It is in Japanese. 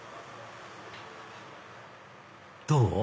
どう？